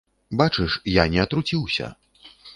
Бачыш, я не атруціўся.